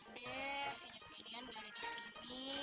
tentu deh nyepinian gak ada di sini